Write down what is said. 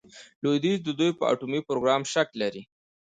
لویدیځ د دوی په اټومي پروګرام شک لري.